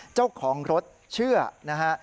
เจ้าของรถเชื่อนะฮะ